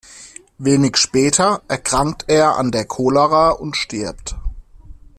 Wenig später erkrankt er an der Cholera und stirbt.